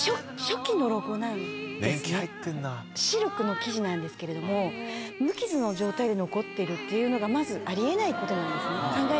シルクの生地なんですけれども無傷の状態で残ってるのがまずあり得ないことなんですね。